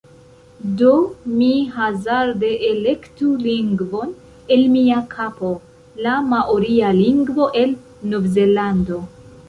Do, mi hazarde elektu lingvon el mia kapo... la maoria lingvo el Novzelando